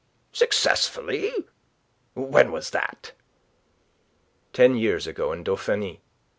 "Successfully? When was that?" "Ten years ago, in Dauphiny.